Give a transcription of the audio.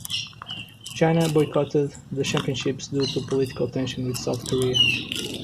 China boycotted the championships due to political tension with South Korea.